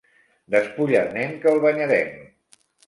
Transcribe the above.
Despulla el nen, que el banyarem.